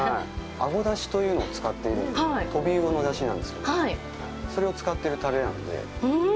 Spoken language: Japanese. あご出汁というのを使っているのでトビウオの出汁なんですけどそれを使っているタレなんで。